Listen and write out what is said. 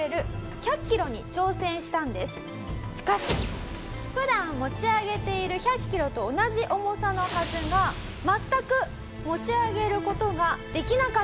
早速普段持ち上げている１００キロと同じ重さのはずが全く持ち上げる事ができなかったんです。